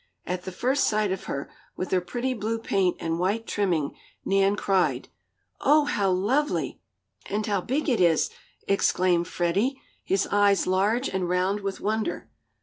At the first sight of her, with her pretty blue paint and white trimming, Nan cried: "Oh, how lovely!" "And how big it is!" exclaimed Freddie his eyes large and round with wonder.